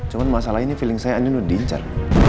cuma masalah ini feeling saya ini udah diincar